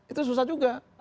itu susah juga